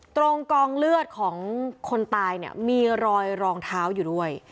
กองเลือดของคนตายเนี่ยมีรอยรองเท้าอยู่ด้วย